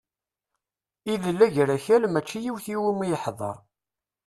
Ilel Agrakal mačči yiwet iwumi yeḥḍer.